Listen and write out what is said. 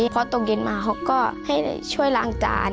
พอตกเย็นมาเขาก็ให้ช่วยล้างจาน